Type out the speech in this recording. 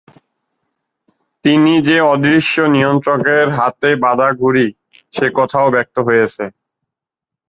তিনি যে অদৃশ্য নিয়ন্ত্রকের হাতে বাঁধা ঘুড়ি সে কথাও ব্যক্ত হয়েছেঃ